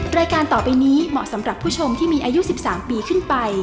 รายการต่อไปนี้เหมาะสำหรับผู้ชมที่มีอายุ๑๓ปีขึ้นไป